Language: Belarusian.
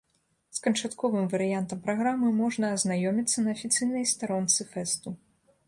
З канчатковым варыянтам праграмы можна азнаёміцца на афіцыйнай старонцы фэсту.